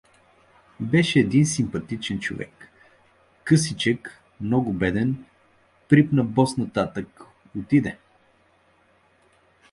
Беше един симпатичен човек, късичек, много беден, припна бос нататък — отиде.